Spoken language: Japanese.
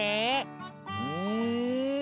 うん。